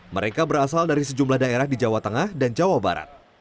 mereka berasal dari sejumlah daerah di jawa tengah dan jawa barat